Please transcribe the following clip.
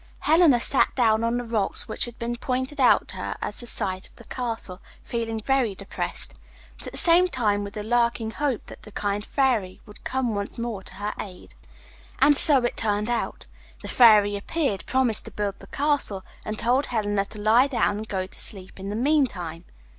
Helena sat down on the rocks which had been pointed out to her as the site of the castle, feeling very depressed, but at the same time with the lurking hope that the kind Fairy would come once more to her aid. And so it turned out. The Fairy appeared, promised to build the castle, and told Helena to lie down and go to sleep in the meantime.